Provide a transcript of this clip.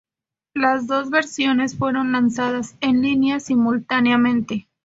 Las dos versiones fueron lanzadas en línea simultáneamente.